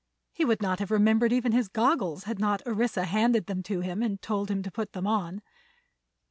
He would not have remembered even his goggles had not Orissa handed them to him and told him to put them on.